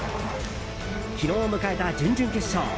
昨日迎えた準々決勝